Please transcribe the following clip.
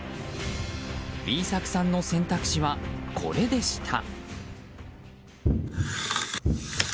Ｂ作さんの選択肢はこれでした。